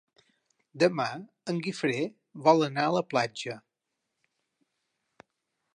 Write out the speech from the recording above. Demà en Guifré vol anar a la platja.